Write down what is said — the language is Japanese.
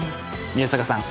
宮坂さん